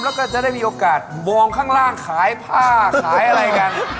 แล้วก็จะได้มีโอกาสมองข้างล่างขายผ้าขายอะไรกัน